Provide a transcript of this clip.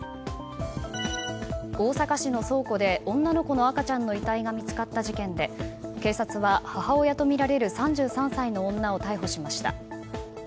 大阪市の倉庫で女の子の赤ちゃんの遺体が見つかった事件で警察は、母親とみられる３３歳の女を逮捕しました。